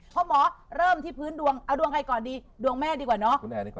หมอเริ่มที่พื้นดวงเอาดวงใครก่อนดีดวงแม่ดีกว่าเนาะ